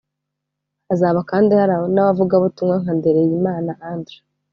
Hazaba kandi hari n’abavugabutumwa nka Ndereyimana Andree